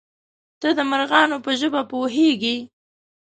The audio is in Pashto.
_ته د مرغانو په ژبه پوهېږې؟